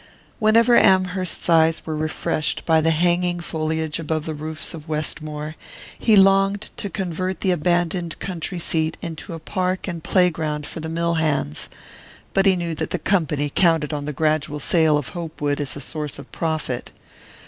Whenever Amherst's eyes were refreshed by the hanging foliage above the roofs of Westmore, he longed to convert the abandoned country seat into a park and playground for the mill hands; but he knew that the company counted on the gradual sale of Hopewood as a source of profit.